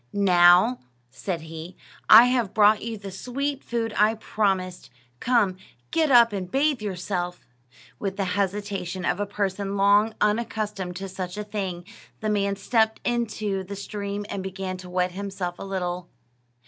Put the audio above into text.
"Now," said he, "I have brought you the sweet food I promised. Come, get up and bathe yourself." With the hesitation of a person long unaccustomed to such a thing, the man stepped into the stream and began to wet himself a little.